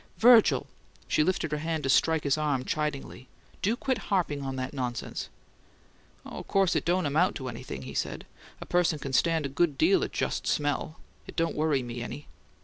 "Virgil!" She lifted her hand to strike his arm chidingly. "Do quit harping on that nonsense!" "Oh, of course it don't amount to anything," he said. "A person can stand a good deal of just smell. It don't WORRY me any."